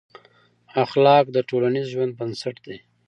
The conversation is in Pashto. اخلاق د ټولنیز ژوند بنسټ دی.